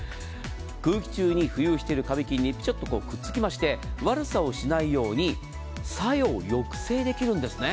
空気中に浮遊しているカビ菌にくっつきまして悪さをしないように作用を抑制できるんです。